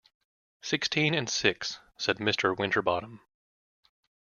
“Sixteen and six,” said Mr. Winterbottom.